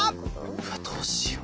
うわどうしよう。